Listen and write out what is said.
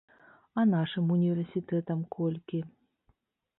А нашым універсітэтам колькі?